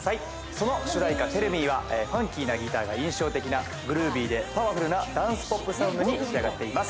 その主題歌『ＴｅｌｌＭｅ』はファンキーなギターが印象的なグルービーでパワフルなダンスポップサウンドに仕上がっています。